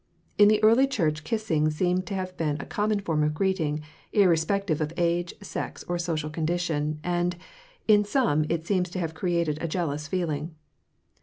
In the early church kissing seems to have been a common form of greeting, irrespective of age, sex, or social condition, and, in some it seems to have created a jealous feeling.